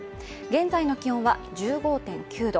現在の気温は１５．９度